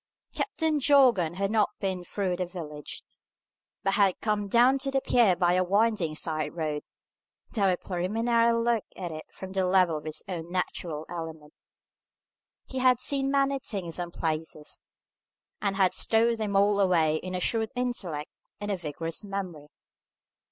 Captain Jorgan had not been through the village, but had come down to the pier by a winding side road, to have a preliminary look at it from the level of his own natural element. He had seen many things and places, and had stowed them all away in a shrewd intellect and a vigorous memory.